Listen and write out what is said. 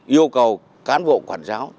yêu cầu cán bộ quản giáo